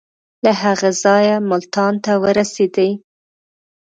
له هغه ځایه ملتان ته ورسېدی.